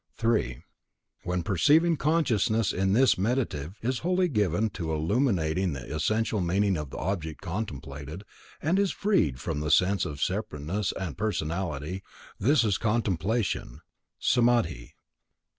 3. When the perceiving consciousness in this meditative is wholly given to illuminating the essential meaning of the object contemplated, and is freed from the sense of separateness and personality, this is contemplation (samadhi).